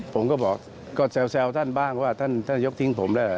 ผมก็แซวท่านบ้างเพราะว่าท่านต้องยกทิ้งผม